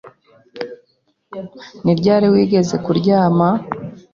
Ni ryari wigeze kuryama?